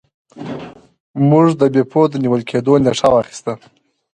موږ د بیپو د نیول کیدو نیټه واخیسته.